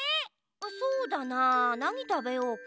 そうだななにたべようか？